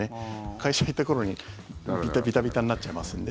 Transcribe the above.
会社に行った頃にビッタビタなっちゃいますんで。